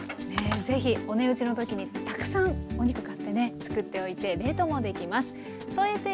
ぜひお値打ちの時にたくさんお肉買ってつくっておいて冷凍もできます。